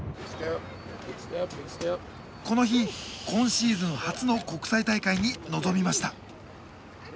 この日今シーズン初の国際大会に臨みました。